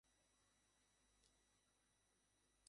তোমাদের পিতার ইন্তিকালের সময় ঘনিয়ে এসেছে।